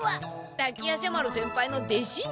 滝夜叉丸先輩の弟子に。